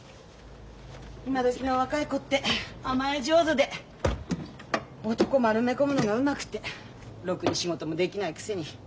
今どきの若い子って甘え上手で男丸め込むのがうまくてろくに仕事もできないくせに。